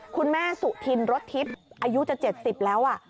คุณแม่สุธินรถทิพย์อายุจะ๗๐แล้ว